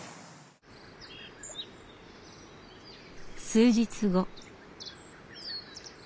数日後。